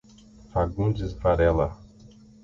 Fagundes Varela